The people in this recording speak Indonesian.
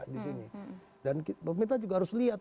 dan pemerintah juga harus lihat